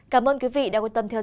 cảm ơn quý vị đã quan tâm theo dõi